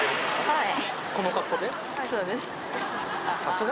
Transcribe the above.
はい。